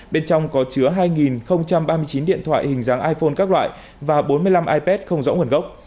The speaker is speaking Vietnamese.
bên trong có chứa hai ba mươi chín điện thoại hình dáng iphone các loại và bốn mươi năm ipad không rõ nguồn gốc